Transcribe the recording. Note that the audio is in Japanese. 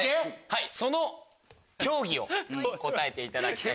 その競技を答えていただきたい。